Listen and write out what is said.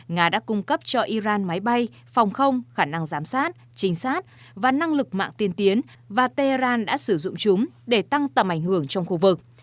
nga đã cung cấp cho iran máy bay phòng không khả năng giám sát trinh sát và năng lực mạng tiên tiến và tehran đã sử dụng chúng để tăng tầm ảnh hưởng trong khu vực